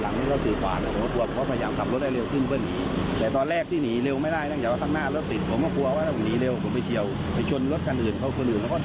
แล้วก็เผื่อร้อนอีกครับ